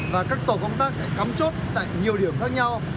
và các tổ công tác sẽ cắm chốt tại nhiều điểm khác nhau